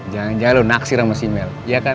jangan jangan lo naksir sama simel iya kan